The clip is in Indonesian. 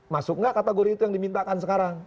masuk nggak kategori itu yang dimintakan sekarang